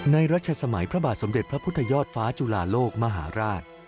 รัชสมัยพระบาทสมเด็จพระพุทธยอดฟ้าจุลาโลกมหาราช